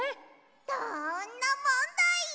どんなもんだい！